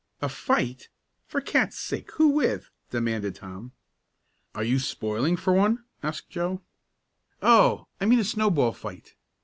"A fight! For cats' sake, who with?" demanded Tom. "Are you spoiling for one?" asked Joe. "Oh, I mean a snowball fight.